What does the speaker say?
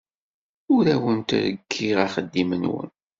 Ur awen-rekkiɣ axeddim-nwen.